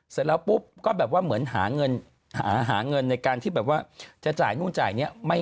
เสร็จแล้วปุ๊บก็แบบว่าเหมือนหาเงินหาเงินในการที่แบบว่าจะจ่ายนู่นจ่ายนี้